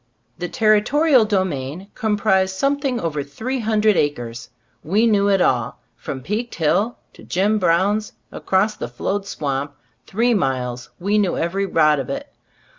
The territorial domain com prised something over three hundred acres. We knew it all. From "Peaked Hill," to "Jim Brown's"— across the Cbe Stor £ ot As Cbf l&boofc 55 "Flowed Swamp," three miles, we knew every rod of it.